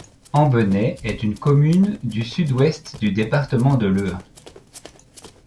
Ambenay est une commune du Sud-Ouest du département de l'Eure.